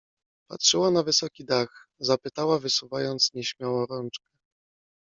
Patrzyła na wysoki dach, zapytała wysuwając nieśmiało rączkę.